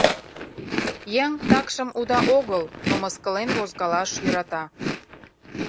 Еҥ, такшым, уда огыл, но мыскылен возкалаш йӧрата.